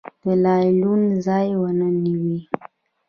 دلایلو ځای ونه نیوی.